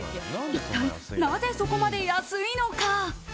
一体、なぜそこまで安いのか。